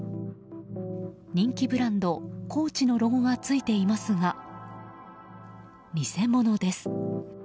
人気ブランドコーチのロゴが付いていますが偽物です。